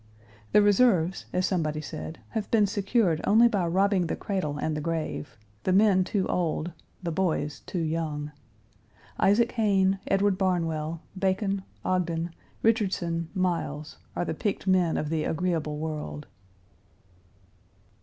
The reserves, as somebody said, have been secured only by robbing the cradle and the grave the men too old, the boys too young. Isaac Hayne, Edward Barnwell, Bacon, Ogden, Richardson, Miles are the picked men of the agreeable world.